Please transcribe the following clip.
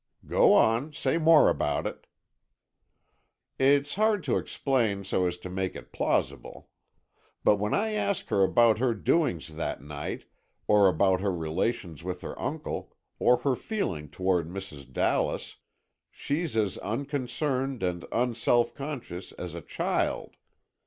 "Go on, say more about it." "It's hard to explain so as to make it plausible. But when I ask her about her doings that night, or about her relations with her uncle, or her feeling towards Mrs. Dallas, she's as unconcerned and un self conscious as a child.